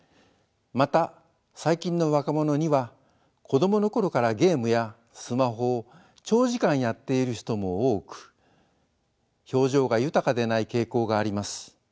また最近の若者には子供の頃からゲームやスマホを長時間やっている人も多く表情が豊かでない傾向があります。